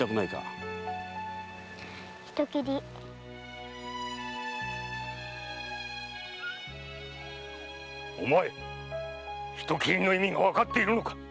お前“人斬り”の意味がわかっているのか？